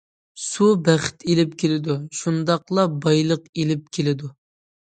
سۇ بەخت ئېلىپ كېلىدۇ، شۇنداقلا بايلىق ئېلىپ كېلىدۇ.